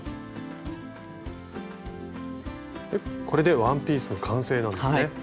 これでワンピースの完成なんですね。